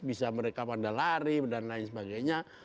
bisa mereka pada lari dan lain sebagainya